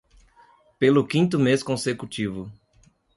Pelo quinto mês consecutivo